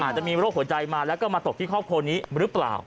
จะมีโรคหัวใจมาแล้วก็มาตกที่ครอบครัวนี้หรือเปล่า